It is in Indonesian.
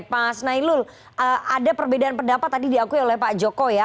pak asnailul ada perbedaan pendapat tadi diakui oleh pak joko ya